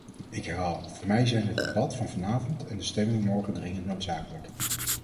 Ik herhaal, voor mij zijn het debat vanavond en de stemming morgen dringend noodzakelijk.